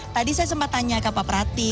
tadi saya sempat tanya ke pak prati